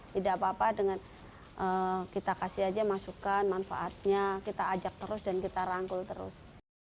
tidak apa apa dengan kita kasih aja masukan manfaatnya kita ajak terus dan kita rangkul terus